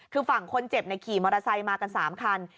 คือฝั่งคนเจ็บขี่มอเตอร์ไซค์มากัน๓คัน